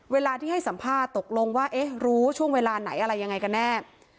เวลาที่ให้สัมภาษณ์ตกลงว่าเอ๊ะรู้ช่วงเวลาไหนอะไรยังไงกันแน่